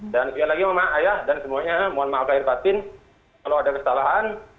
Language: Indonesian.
dan sekali lagi mak ayah dan semuanya mohon maafkan irvatin kalau ada kesalahan